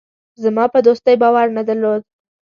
زما په دوستۍ باور نه درلود.